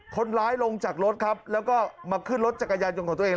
คนร้ายลงจากรถครับแล้วก็มาขึ้นรถจักรยานยนต์ของตัวเอง